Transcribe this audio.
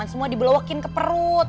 jangan semua dibelowakin ke perut